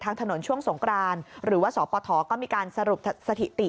ถนนช่วงสงกรานหรือว่าสปทก็มีการสรุปสถิติ